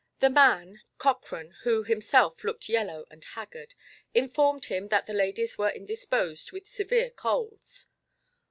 The man, Cochrane, who, himself, looked yellow and haggard, informed him that the ladies were indisposed with severe colds.